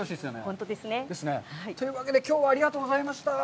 本当ですね。というわけで、きょうはありがとうございました。